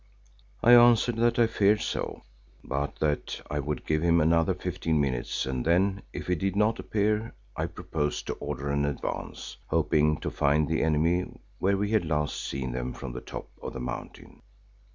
I answered that I feared so, but that I would give him another fifteen minutes and then, if he did not appear, I proposed to order an advance, hoping to find the enemy where we had last seen them from the top of the mountain.